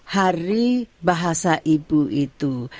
hari bahasa ibu itu